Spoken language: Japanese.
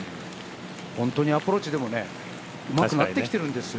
本当にアプローチ、でもねうまくなってきてるんですよ。